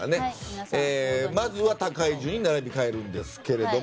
まずは、高い順に並び替えるんですけれども。